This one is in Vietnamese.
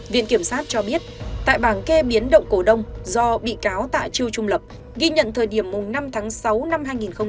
viện kiểm sát cho biết tại bảng kê biến động cổ đông do bị cáo tạ chu trung lập ghi nhận thời điểm năm tháng sáu năm hai nghìn một mươi chín